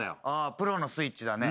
プロのスイッチだね。